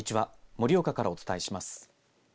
盛岡からお伝えします。